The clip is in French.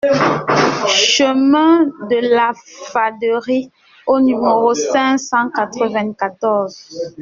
Chemin de Lafaderie au numéro cinq cent quatre-vingt-quatorze